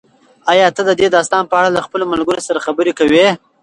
ایا ته د دې داستان په اړه له خپلو ملګرو سره خبرې کوې؟